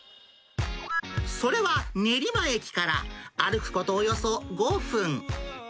それは練馬駅から歩くことおよそ５分。